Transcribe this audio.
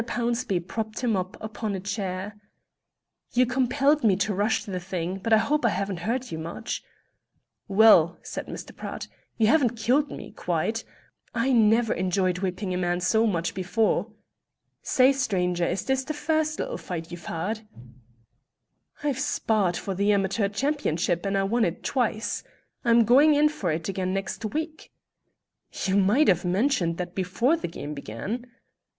Pownceby propped him up upon a chair. "You compelled me to rush the thing; but I hope I haven't hurt you much." "Well," said Mr. Pratt, "you haven't killed me quite. I never enjoyed whipping a man so much before. Say, stranger, is this the first little fight you've had?" "I've sparred for the amateur championship, and won it twice. I'm going in for it again next week." "You might have mentioned that before the game began."